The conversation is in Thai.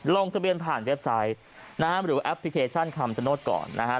ลงทะเบียนผ่านเว็บไซต์นะฮะหรือแอปพลิเคชันคำชโนธก่อนนะฮะ